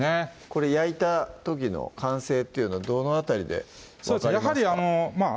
これ焼いた時の完成っていうのどの辺りで分かりますか？